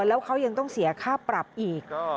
แล้วเขายังต้องเสียค่าปรับอีก